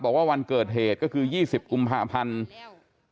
วันเกิดเหตุก็คือ๒๐กุมภาพันธ์